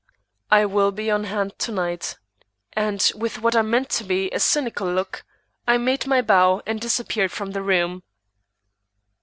"I will be on hand to night." And with what I meant to be a cynical look, I made my bow and disappeared from the room.